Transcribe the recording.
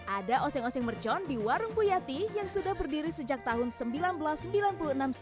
ada oseng oseng mercon di warung puyati yang sudah berdiri sejak tahun seribu sembilan ratus sembilan puluh enam silam